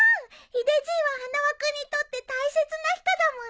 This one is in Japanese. ヒデじいは花輪君にとって大切な人だもんね。